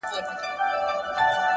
هره ناکامي د راتلونکي لارښود کېږي!.